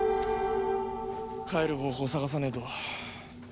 帰る方法探さねえと。